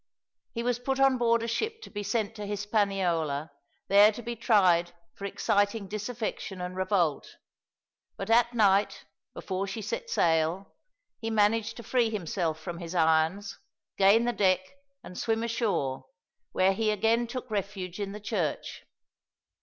He was put on board a ship to be sent to Hispaniola, there to be tried for exciting disaffection and revolt; but at night, before she set sail, he managed to free himself from his irons, gain the deck, and swim ashore, where he again took refuge in the church.